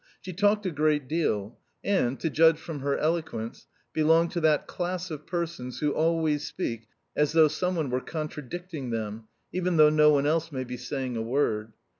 She talked a great deal, and, to judge from her eloquence, belonged to that class of persons who always speak as though some one were contradicting them, even though no one else may be saying a word.